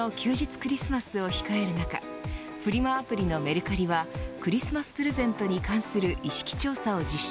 クリスマスを控える中フリマアプリのメルカリはクリスマスプレゼントに関する意識調査を実施。